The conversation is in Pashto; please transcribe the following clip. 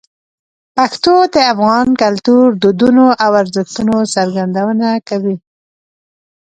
پښتو د افغان کلتور، دودونو او ارزښتونو څرګندونه کوي.